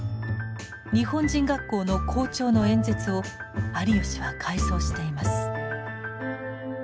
日本人学校の校長の演説を有吉は回想しています。